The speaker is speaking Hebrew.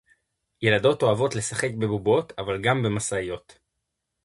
ילדות אוהבות לשחק בבובות אבל גם במשאיות